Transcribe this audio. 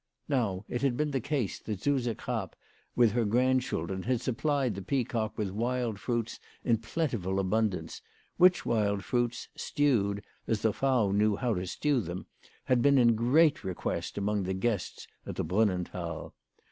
Now it had been the case that Suse Krapp with her grandchildren had supplied the Peacock with wild fruits in plentiful abundance, which wild fruits, stewed as the Frau knew how to stew them, had been in great request among the guests at the Brunnenthal.